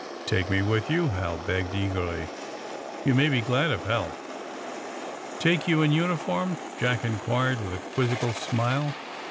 Take me with you," Hal begged eagerly. You may be glad of help." Take you in uniform 1" Jack inquired, with a quizzical smile.